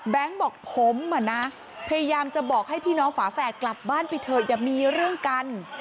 บอกผมอ่ะนะพยายามจะบอกให้พี่น้องฝาแฝดกลับบ้านไปเถอะอย่ามีเรื่องกัน